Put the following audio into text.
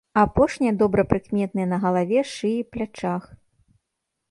Апошнія добра прыкметныя на галаве, шыі, плячах.